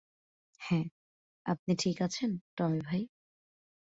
হ্যাঁ, আপনি ঠিক আছেন, টমি ভাই?